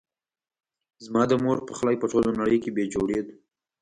زما د مور پخلی په ټوله نړۍ کې بي جوړي ده